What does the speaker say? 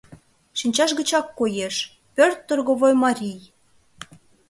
Шинчаж гычак коеш: пӧрт торговой марий.